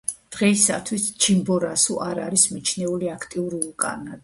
დღეისათვის ჩიმბორასო არ არის მიჩნეული აქტიურ ვულკანად.